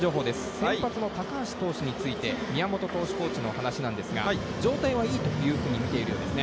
先発の高橋投手について宮本投手コーチのお話なんですが、状態はいいというふうに見ているんですね。